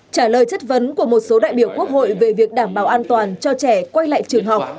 trả lời chất vấn của một số đại biểu quốc hội về việc đảm bảo an toàn cho trẻ quay lại trường học